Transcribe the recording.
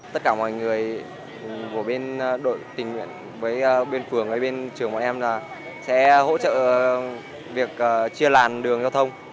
tất cả mọi người của bên đội tình nguyện với bên phường với bên trường của em là sẽ hỗ trợ việc chia làn đường giao thông